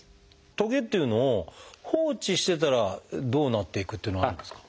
トゲっていうのを放置してたらどうなっていくっていうのはあるんですか？